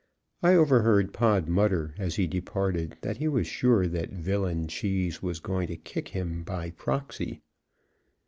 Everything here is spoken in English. I overheard Pod mutter as he departed that he was sure that villain Cheese was going to kick him by proxy.